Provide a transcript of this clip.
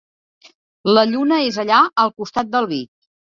La lluna és allà, al costat del vi.